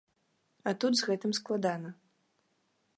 А тут з гэтым складана.